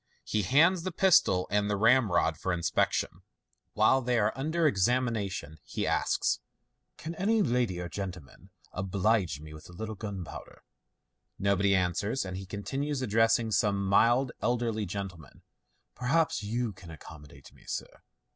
He hands the pistol and ramrod for in 4i° MODERN MAGIC. Bpection. While they are under examination, he asks, " Can any lady or gentleman oblige me with a little gunpowder ?" Nobody answers, and he continues, addressing some mild elderly gentleman, " Perhaps you can accommodate me, sir